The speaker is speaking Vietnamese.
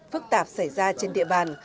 phức tạp xảy ra trên địa bàn